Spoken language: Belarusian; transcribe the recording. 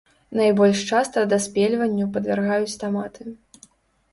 Найбольш часта даспельванню падвяргаюць таматы.